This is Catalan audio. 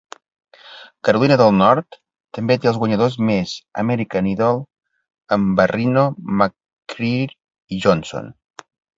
Carolina del Nord també té els guanyadors més "American Idol" amb Barrino, McCreery i Johnson.